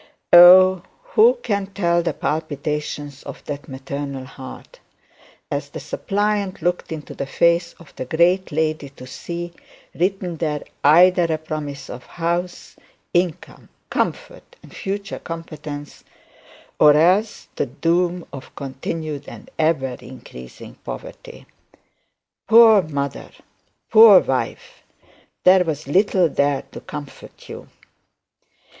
Oh! Who can tell the palpitations of that maternal heart, as the suppliant looked into the face of the great lady to see written there either a promise of a house, income, comfort, and future competence, or else the doom of continued and ever increasing poverty. Poor mother! Poor wife! There was little there to comfort you!